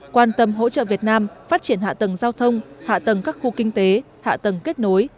quan tâm hỗ trợ việt nam phát triển hạ tầng giao thông hạ tầng các khu kinh tế hạ tầng kết nối